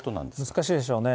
難しいでしょうね。